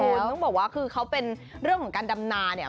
คุณต้องบอกว่าคือเขาเป็นเรื่องของการดำนาเนี่ย